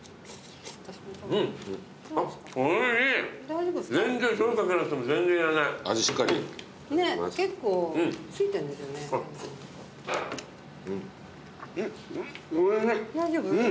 大丈夫？